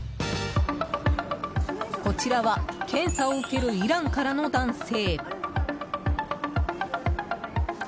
こちらは、検査を受けるイランからの男性。